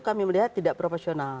kami melihat tidak proporsional